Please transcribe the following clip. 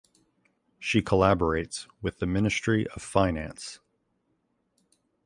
She collaborates with the Ministry of Finance.